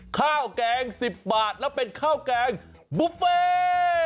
ข้าวแกง๑๐บาทแล้วเป็นข้าวแกงบุฟเฟ่